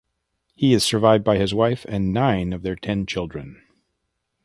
He was survived by his wife and nine of their ten children.